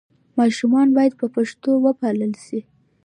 ماشومان باید په پښتو وپالل سي.